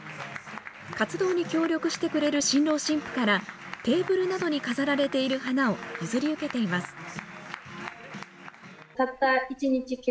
活動に協力してくれる新郎新婦から、テーブルなどに飾られている花を譲り受けています。